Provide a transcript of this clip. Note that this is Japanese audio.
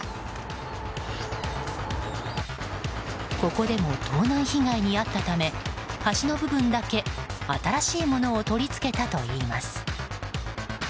ここでも盗難被害に遭ったため端の部分だけ新しいものを取り付けたといいます。